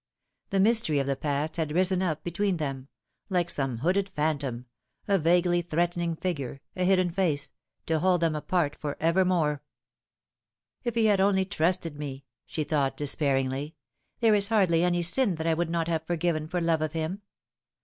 The mystery of the past had risen up between them like some hooded phantom, a vaguely threatening figure, a hidden face to hold them apart for evermore. Lifting ike Curtain. 129 M If he had only trusted me," she thought despairingly, " there is hardly any sin that I would not have forgiven for love of him.